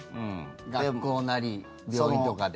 学校なり、病院とかで。